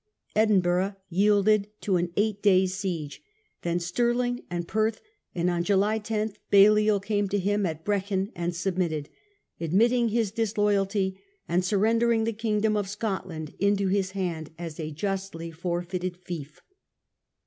Edinburgh yielded to an eight days' siege, then Stirling and Perth ; and on July 10 Balliol came to him at Brechin and submitted, admitting his disloyalty and surrendering the kingdom of Scotland into his hand as a justly forfeited fief.